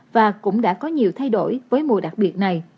và cũng đã có nhiều thay đổi với mùa đặc biệt này